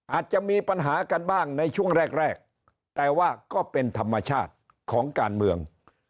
อาจจะมีปัญหากันบ้างในช่วงแรกแรกแต่ว่าก็เป็นธรรมชาติของการเมือง